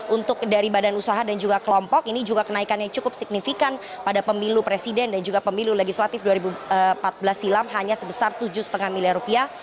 untuk dari badan usaha dan juga kelompok ini juga kenaikannya cukup signifikan pada pemilu presiden dan juga pemilu legislatif dua ribu empat belas silam hanya sebesar tujuh lima miliar rupiah